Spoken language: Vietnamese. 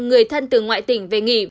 người thân từ ngoại tỉnh về nghỉ